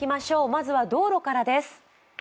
まずは道路からです。